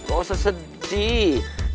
gak usah sedih